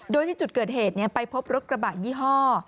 โดยที่จุดเกิดเหตุไปพบรถกระบะยี่ห้อ